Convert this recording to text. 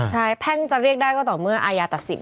ใช่แพ่งจะเรียกได้ก็ต่อเมื่ออาญาตัดสิน